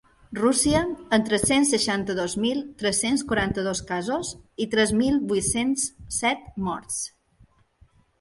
Rússia, amb tres-cents seixanta-dos mil tres-cents quaranta-dos casos i tres mil vuit-cents set morts.